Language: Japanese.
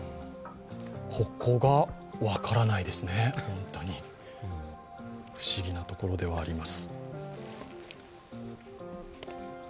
ここが分からないですね、ホントに、不思議なところではあります。